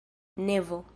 nevo